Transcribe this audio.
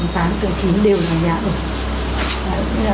tầng tám tầng chín đều là giá đủ